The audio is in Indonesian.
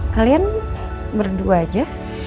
kalian berdua aja